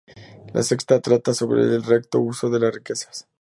La sexta trata sobre el recto uso de las riquezas.